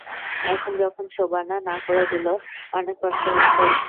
এখন যখন শোবানা না করে দিল, অনেক কষ্ট হচ্ছে।